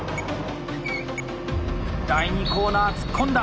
第２コーナー突っ込んだ！